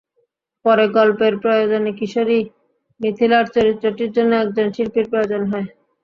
পরে গল্পের প্রয়োজনে কিশোরী মিথিলার চরিত্রটির জন্য একজন শিল্পীর প্রয়োজন হয়।